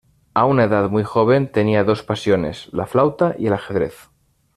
A una edad muy joven, tenía dos pasiones: la flauta y el Ajedrez.